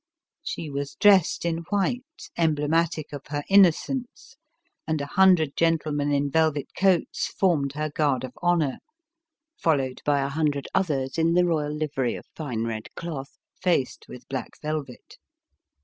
She was dressed in white, emblematic of her innocence, and a hundred gentlemen in velvet coats formed her guard of honor, followed by a hundred others in the royal livery of fine red cloth, faced with black velvet.